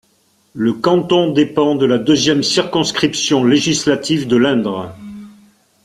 Le canton dépend de la deuxième circonscription législative de l'Indre.